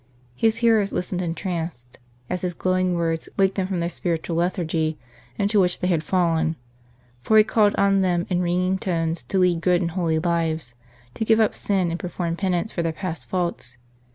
His hearers listened entranced, as his glowing words waked them from the spiritual lethargy into which they had fallen ; for he called on them in ringing tones to lead good and holy lives, to give up sin, and perform penance for their past faults.